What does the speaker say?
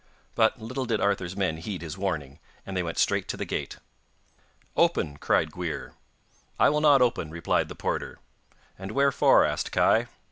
But little did Arthur's men heed his warning, and they went straight to the gate. 'Open!' cried Gwrhyr. 'I will not open,' replied the porter. 'And wherefore?' asked Kai.